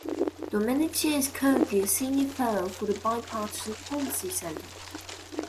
Domenici is currently a senior fellow for the Bipartisan Policy Center.